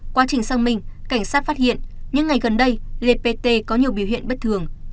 qua trình xăng minh cảnh sát phát hiện những ngày gần đây lê pt có nhiều biểu hiện bất thường